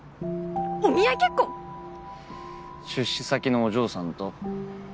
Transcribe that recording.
お見合い結婚⁉出資先のお嬢さんと。